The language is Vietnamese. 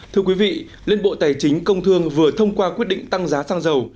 thưa quý vị liên bộ tài chính công thương vừa thông qua quyết định tăng giá xăng dầu